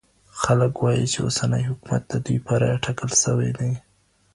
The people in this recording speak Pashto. خلګ وايي چي اوسنی حکومت د دوی په رايه ټاکل سوی دی.